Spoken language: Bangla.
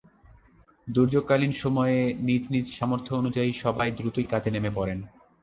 দুর্যোগকালীন সময়ে নিজ নিজ সামর্থ্য অনুযায়ী সবাই দ্রুতই কাজে নেমে পড়েন।